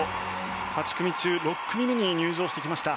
８組中６組目に入場してきました。